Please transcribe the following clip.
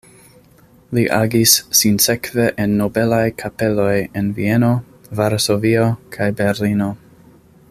Li agis sinsekve en nobelaj kapeloj en Vieno, Varsovio kaj Berlino.